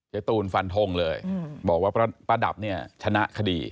ตูนฟันทงเลยบอกว่าป้าดับเนี่ยชนะคดี